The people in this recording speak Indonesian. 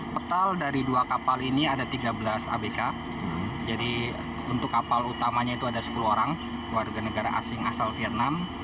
total dari dua kapal ini ada tiga belas abk jadi untuk kapal utamanya itu ada sepuluh orang warga negara asing asal vietnam